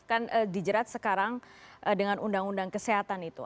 kan dijerat sekarang dengan undang undang kesehatan itu